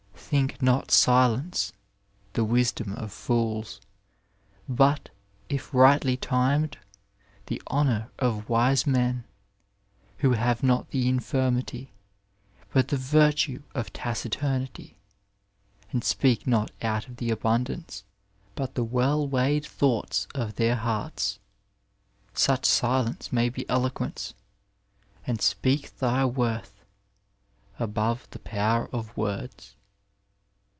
Think not Silence the wisdom of Fools, but, if rightly tamed, the honour of wise Men, vdio have not the Infirmity, but the l^rtue of Taciturnity, and speak not out of the abundance^ but the well weighed thoughts of their Hearts. Such Silence may be EOoquenoe, and speak thy worth above the power of Words.